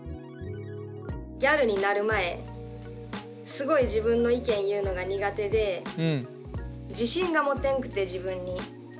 ギャルになる前すごい自分の意見言うのが苦手で自信が持てんくて自分に。